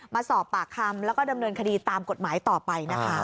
มาสอบปากคำแล้วก็ดำเนินคดีตามกฎหมายต่อไปนะคะ